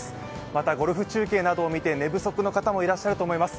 またゴルフ中継などを見て寝不足の方もいらっしゃると思います。